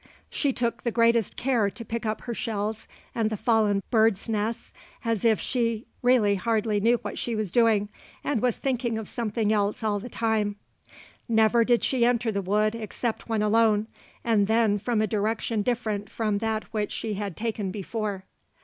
She took the greatest care to pick up her shells and the fallen birds' nests as if she really hardly knew what she was doing, and was thinking of something else all the time. Never did she enter the wood except when alone, and then from a direction different from that which she had taken before.